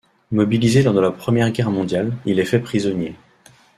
Mobilisé lors de la Première Guerre mondiale, il est fait prisonnier.